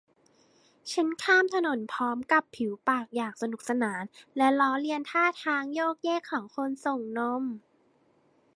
ฉันข้ามถนนพร้อมกับผิวปากอย่างสนุกสานและล้อเลียนท่าทางโยกเยกของคนส่งนม